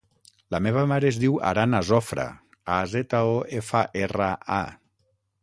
La meva mare es diu Aran Azofra: a, zeta, o, efa, erra, a.